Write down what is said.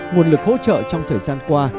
nguồn lực hỗ trợ trong thời gian qua